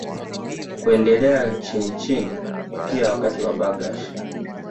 Kuendelea chinichini pia Wakati wa Bargash